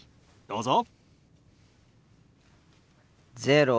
どうぞ。